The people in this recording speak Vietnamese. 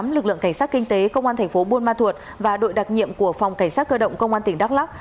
lực lượng cảnh sát kinh tế công an thành phố buôn ma thuột và đội đặc nhiệm của phòng cảnh sát cơ động công an tỉnh đắk lắc